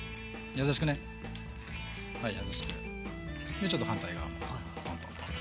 でちょっと反対側もトントントンと。